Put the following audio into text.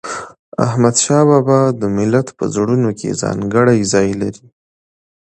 احمدشاه بابا د ملت په زړونو کې ځانګړی ځای لري.